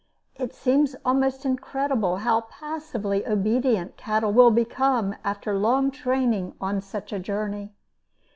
It seems almost incredible how passively obedient cattle will become after long training on such a journey.